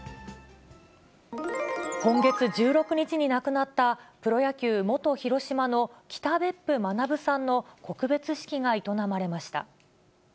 今月１６日に亡くなった、プロ野球・元広島の北別府学さんの告別式が営まれました。